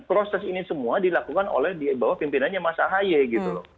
proses ini semua dilakukan oleh pimpinannya mas ahai